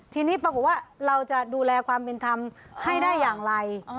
ทีนี้ปรากฏว่าเราจะดูแลความเป็นธรรมให้ได้อย่างไร